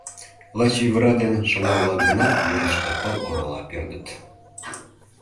Лач ӱвыра ден шыҥа-влак гына южышто пыл орала пӧрдыт.